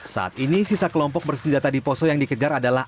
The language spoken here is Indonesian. saat ini sisa kelompok bersenjata di poso yang dikejar adalah